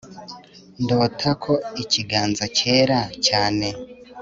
Ndota ko ikiganza cyera cyane